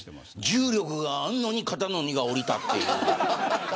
重力があるのに肩の荷が下りたっていう。